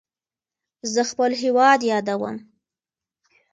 زه خپل هیواد یادوم.